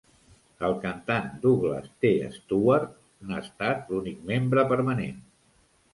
El cantant Duglas T. Stewart n'ha estat l'únic membre permanent.